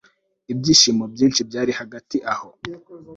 ibyishimo byinshi byari hagati aho